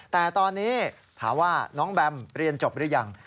แต่ตอนนี้ถามว่าน้องแบมเรียนจบหรือยัง